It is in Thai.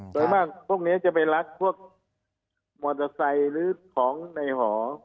โดยมากพวกนี้จะไปรักพวกมอเตอร์ไซค์หรือของในหอ